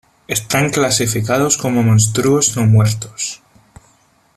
Están clasificados como monstruos no muertos.